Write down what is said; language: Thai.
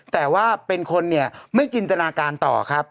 แต่ว่าเป็นคนเนี่ยไม่จินตนาการต่อครับ